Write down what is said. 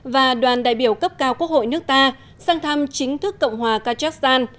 và đoàn đại biểu cấp cao quốc hội nước ta sang thăm chính thức cộng hòa kazakhstan